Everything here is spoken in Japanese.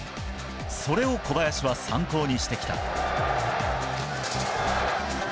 それを小林は参考にしてきた。